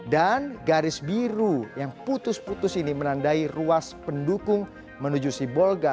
dan garis biru yang putus putus ini menandai ruas pendukung menuju sibolga